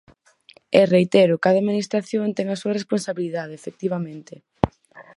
E, reitero, cada administración ten a súa responsabilidade, efectivamente.